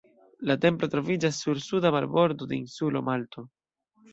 La templo troviĝas sur suda marbordo de insulo Malto.